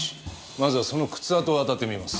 まずはその靴跡を当たってみます。